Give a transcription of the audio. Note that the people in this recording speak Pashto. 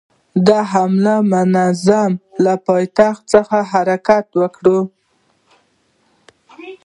د حملې په منظور له پایتخت څخه حرکت وکړي.